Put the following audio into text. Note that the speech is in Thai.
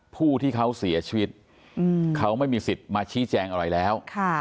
ผู้ที่เขาเสียชีวิตเขาไม่มีสิทธิ์มาชี้แจงอะไรแล้ว